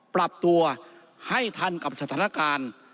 ปรับตัวให้ทันกับสถานการณ์